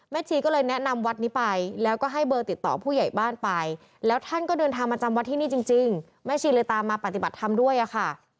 ชีก็เลยแนะนำวัดนี้ไปแล้วก็ให้เบอร์ติดต่อผู้ใหญ่บ้านไปแล้วท่านก็เดินทางมาจำวัดที่นี่จริงแม่ชีเลยตามมาปฏิบัติธรรมด้วยอะค่ะ